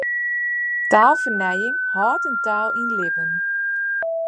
Taalfernijing hâldt in taal yn libben.